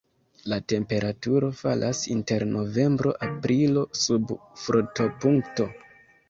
La temperaturo falas inter novembro-aprilo sub frostopunkto.